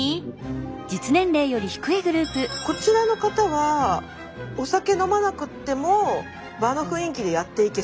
こちらの方はお酒飲まなくっても場の雰囲気でやっていけそう。